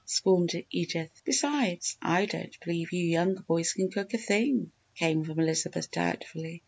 scorned Edith. "Besides, I don't believe you younger boys can cook a thing!" came from Elizabeth, doubtfully.